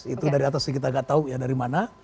itu dari atas kita gak tahu ya dari mana